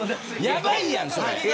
やばいやん、それ。